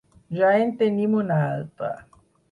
Ja en tenim un altre.